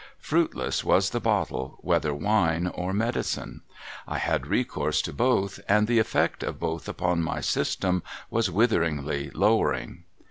Fruitless was the Bottle, whether Wine or Medicine. I had recourse to both, and the effect of both upon my system w'as witheringly lowering.